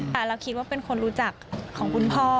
แต่เราคิดว่าเป็นคนรู้จักของคุณพ่อ